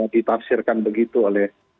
ditafsirkan begitu oleh